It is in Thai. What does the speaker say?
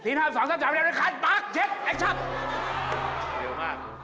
ตีทาง๒๓๓เรียบร้อยคันปลากเจ็บแอคชั่น